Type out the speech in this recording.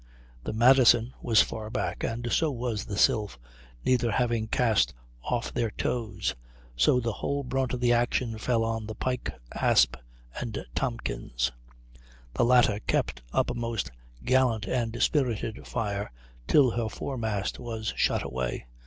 The Madison was far back, and so was the Sylph, neither having cast off their tows; so the whole brunt of the action fell on the Pike, Asp, and Tompkins. The latter kept up a most gallant and spirited fire till her foremast was shot away.